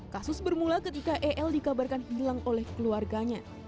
kasus bermula ketika el dikabarkan hilang oleh keluarganya